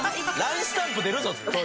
スタンプ出るぞ。